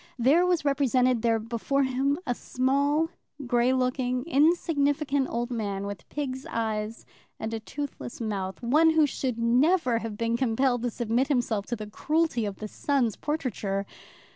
There was represented there before him, a small, grey looking, insignificant old man, with pig's eyes and a toothless mouth, one who should never have been compelled to submit himself to the cruelty of the sun's portraiture!